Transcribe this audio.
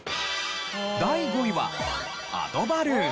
第５位はアドバルーン。